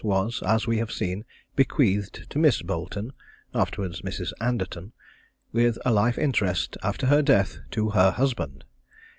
was, as we have seen, bequeathed to Miss Boleton (afterwards Mrs. Anderton), with a life interest, after her death, to her husband.